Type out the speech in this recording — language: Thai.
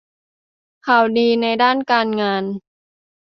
ข่าวดีในด้านการงาน